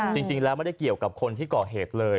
จริงแล้วไม่ได้เกี่ยวกับคนที่ก่อเหตุเลย